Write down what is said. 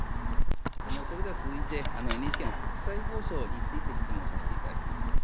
それでは続いて、ＮＨＫの国際放送について質問させていただきます。